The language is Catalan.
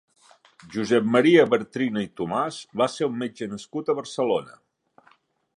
Josep Maria Bartrina i Thomàs va ser un metge nascut a Barcelona.